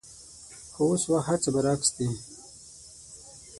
خو اوس وخت هرڅه برعکس دي.